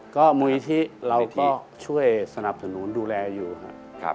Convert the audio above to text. ก็มุยที่เราก็ช่วยสนับสนุนดูแลอยู่ค่ะ